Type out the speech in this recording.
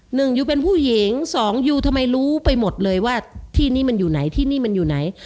อยู่เป็นผู้หญิงสองยูทำไมรู้ไปหมดเลยว่าที่นี่มันอยู่ไหนที่นี่มันอยู่ไหน